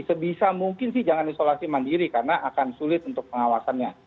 sebisa mungkin sih jangan isolasi mandiri karena akan sulit untuk pengawasannya